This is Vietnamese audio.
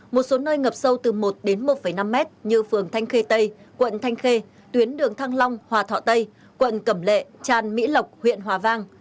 một số nơi ngập sâu từ một đến một năm mét như phường thanh khê tây quận thanh khê tuyến đường thăng long hòa thọ tây quận cẩm lệ tràn mỹ lộc huyện hòa vang